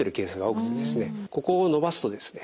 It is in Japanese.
ここを伸ばすとですね